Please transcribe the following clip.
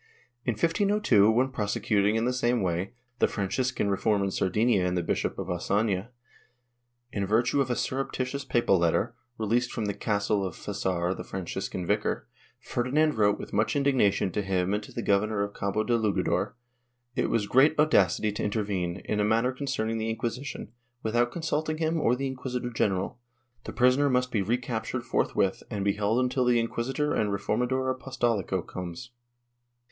In 1502, when prosecuting, in the same way, the Franciscan reform in Sardinia and the Bishop of Ocafia, in virtue of a surreptitious papal letter, released from the castle of Fasar the Franciscan vicar, Ferdinand wrote with much indignation to him and to the governor of Cabo de Lugador; it was great audacity to intervene, in a matter con cerning the Inquisition, without consulting him or the inquisitor general; the prisoner must be recaptured forth^^•ith and be held until the inquisitor and reformador apostolico comes.